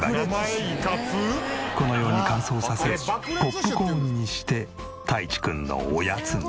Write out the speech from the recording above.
このように乾燥させポップコーンにしてたいちくんのおやつに。